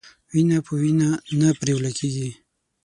وينه په وينه نه پريوله کېږي.